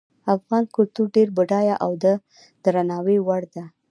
افغان کلتور ډیر بډایه او د درناوي وړ ده